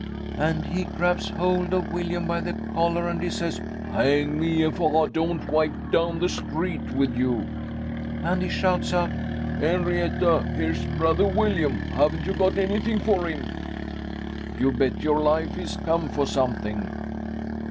And he grabs hold of Willyum by the collar, and he says, 'Hang me if I don't wipe down the street with you!' And he shouts out, ''Enrietta, here's Brother Willyum. Haven't you got anything for him? You bet your life he's come for something.'